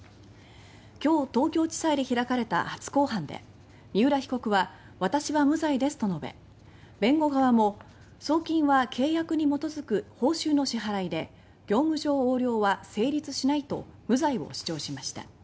今日、東京地裁で開かれた初公判で三浦被告は「私は無罪です」と述べ弁護側も「送金は契約に基づく報酬の支払いで業務上横領は成立しない」と無罪を主張しました。